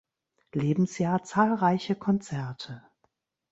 Lebensjahr zahlreiche Konzerte.